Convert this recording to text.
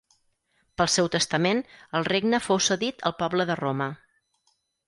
Pel seu testament el regne fou cedit al poble de Roma.